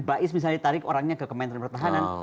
bais misalnya ditarik orangnya ke kementerian pertahanan